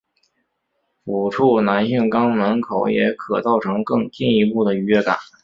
抚触男性肛门口也可造成更进一步的愉悦感。